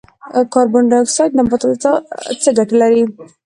کاربن ډای اکسایډ نباتاتو ته څه ګټه لري؟